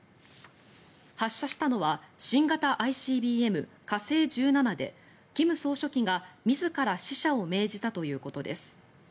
発射したのは新型ＩＣＢＭ、火星１７で金総書記が自ら試射を命じたということです。